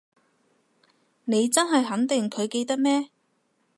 你真係肯定佢記得咩？